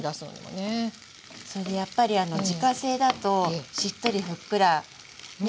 それでやっぱり自家製だとしっとりふっくらね